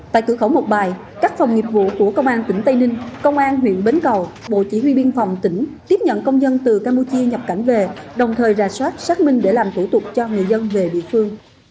tại cửa khẩu một bài các phòng nghiệp vụ của công an tỉnh tây ninh công an huyện bến cầu bộ chỉ huy biên phòng tỉnh tiếp nhận công dân từ campuchia nhập cảnh về đồng thời ra soát xác minh để làm thủ tục cho người dân về địa phương